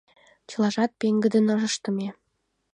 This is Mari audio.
Чылажат пеҥгыдын ыштыме.